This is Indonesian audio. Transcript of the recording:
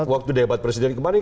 waktu debat presiden kemarin